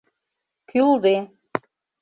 Кӱлде.